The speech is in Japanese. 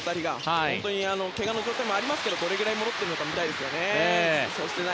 本当にけがの状態もありますがどれくらい戻っているか見たいですよね。